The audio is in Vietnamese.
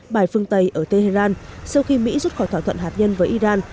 bài phương tây ở tehran sau khi mỹ rút khỏi thỏa thuận hạt nhân với iran